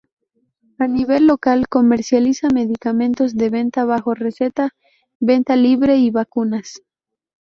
A nivel local, comercializa medicamentos de venta bajo receta, venta libre y vacunas.